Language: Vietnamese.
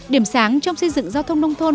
điểm sáng trong xây dựng giao thông nông thôn